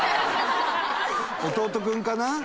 弟君かな？